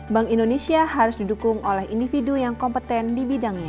bank indonesia harus didukung oleh individu yang kompeten di bidangnya